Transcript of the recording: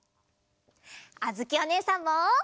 あづきおねえさんも！